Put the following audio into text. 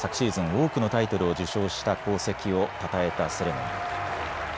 多くのタイトルを受賞した功績をたたえたセレモニー。